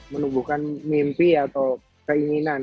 menumbuhkan mimpi atau keinginan